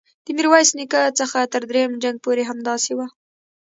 د میرویس نیکه څخه تر دریم جنګ پورې همداسې وه.